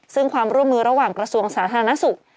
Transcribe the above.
ซึ่งความร่วมมือระหว่างกระทรวงสาธารณสุข